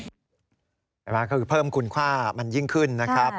เห็นไหมคือเพิ่มคุณค่ามันยิ่งขึ้นนะครับ